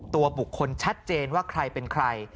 ตัวบุคคลชัดเจนว่าใครเป็นใคร